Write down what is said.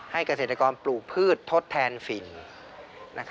เกษตรกรปลูกพืชทดแทนฝิ่น